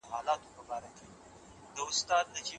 د پرښتو په وړاندې علم وګټل سو.